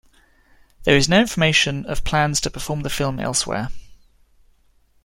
There is no information of plans to perform the film elsewhere.